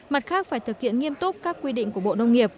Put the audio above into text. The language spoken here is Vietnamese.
mặt khác phải thực hiện nghiêm túc các quy định của bộ nông nghiệp